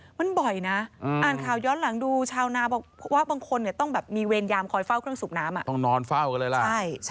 มันบ่อยนะอ่านข่าวย้อนหลังดูชาวนาบอกว่าบางคนเนี่ยต้องแบบมีเวรยามคอยเฝ้าเครื่องสูบน้ำต้องนอนเฝ้ากันเลยล่ะ